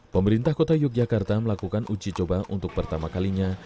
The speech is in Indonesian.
pemerintah kota yogyakarta melakukan uji coba untuk pertama kalinya